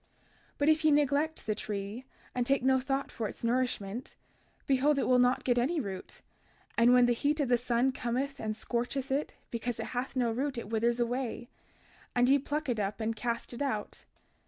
32:38 But if ye neglect the tree, and take no thought for its nourishment, behold it will not get any root; and when the heat of the sun cometh and scorcheth it, because it hath no root it withers away, and ye pluck it up and cast it out.